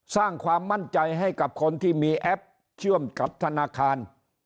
สร้างความมั่นใจให้กับคนที่มีแอปเชื่อมกับธนาคาร